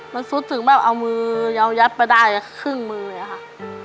มันซุดถึงแบบเอามือเอายัดไปได้ครึ่งมือเลยค่ะ